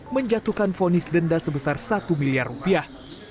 menjatuhkan fonis denda sebesar satu miliar rupiah